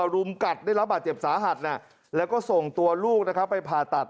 รุมกัดได้รับบาดเจ็บสาหัสแล้วก็ส่งตัวลูกนะครับไปผ่าตัด